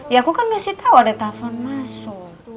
ya aku kan ngasih tau ada telfon masuk